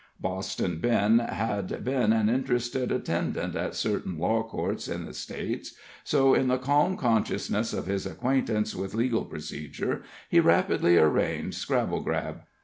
Boston Ben had been an interested attendant at certain law courts in the States, so in the calm consciousness of his acquaintance with legal procedure he rapidly arraigned Scrabblegrab.